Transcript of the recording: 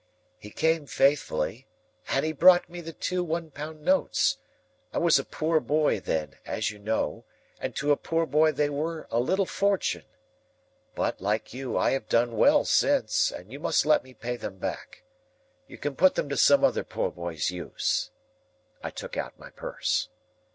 "He came faithfully, and he brought me the two one pound notes. I was a poor boy then, as you know, and to a poor boy they were a little fortune. But, like you, I have done well since, and you must let me pay them back. You can put them to some other poor boy's use." I took out my purse.